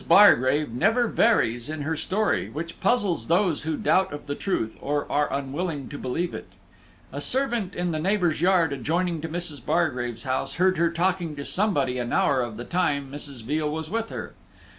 Bargrave never varies in her story, which puzzles those who doubt of the truth, or are unwilling to believe it. A servant in the neighbor's yard adjoining to Mrs. Bargrave's house heard her talking to somebody an hour of the time Mrs. Veal was with her.